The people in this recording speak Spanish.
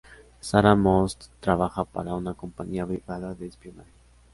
Sarah Moss trabaja para una compañía privada de espionaje.